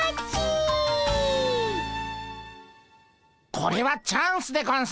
これはチャンスでゴンス。